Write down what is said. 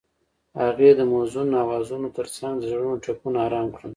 هغې د موزون اوازونو ترڅنګ د زړونو ټپونه آرام کړل.